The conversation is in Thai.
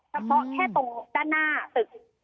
เฉพาะแค่ตรงด้านหน้าตึก